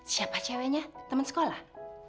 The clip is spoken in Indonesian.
siapa ceweknya temen sekolah